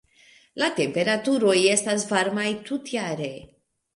La temperaturoj estas varmaj tutjare.